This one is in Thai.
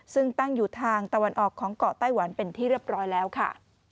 ซึ่งตั้งอยู่ทางตะวันออกของเกาะไต้หวันเป็นที่เรียบร้อยแล้วค่ะ